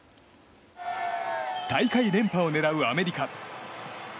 大会連覇を狙うアメリカ。